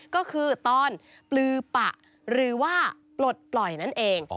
ก็คือตอนปลือปะหรือว่าปลดปล่อยนั่นเอง